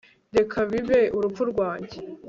reka bibe urupfu rwanjye